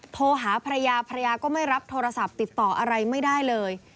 โทรหาภรรยาภรรยาก็ไม่รับโทรศัพท์ติดต่ออะไรไม่ได้เลย